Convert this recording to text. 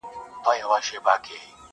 په موږک پسي جوړ کړی یې هی هی وو،